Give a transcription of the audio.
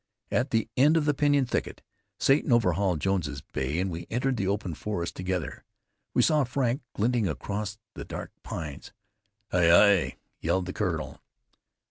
At the end of the pinyon thicket Satan overhauled Jones's bay, and we entered the open forest together. We saw Frank glinting across the dark pines. "Hi! Hi!" yelled the Colonel.